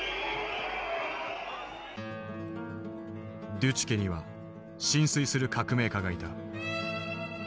ドゥチュケには心酔する革命家がいた。